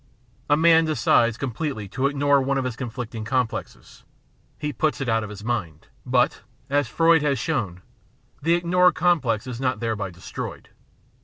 A man decides completely ■ to ignore one of the conflicting complexes — he puts it out of his mind. But, as Freud has shown, the ignored complex is not thereby destroyed.